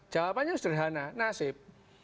jawabannya sederhana nasib